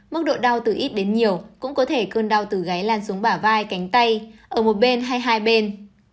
mức độ đau từ ít đến nhiều cũng có thể cơn đau từ gáy lan xuống bả vai cánh tay ở một bên hay hai bên